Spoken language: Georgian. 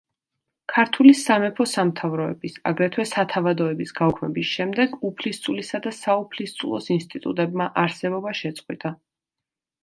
ქართული სამეფო-სამთავროების, აგრეთვე სათავადოების გაუქმების შემდეგ „უფლისწულისა“ და „საუფლისწულოს“ ინსტიტუტებმა არსებობა შეწყვიტა.